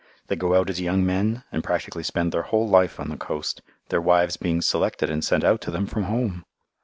They go out as young men and practically spend their whole life on the coast, their wives being selected and sent out to them from home!